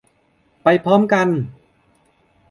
ไปพร้อมกัน